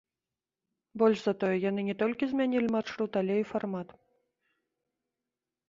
Больш за тое, яны не толькі змянілі маршрут, але і фармат.